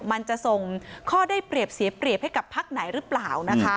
มันจะส่งข้อได้เปรียบเสียเปรียบให้กับพักไหนหรือเปล่านะคะ